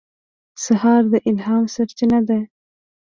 سهار د الهام سرچینه ده.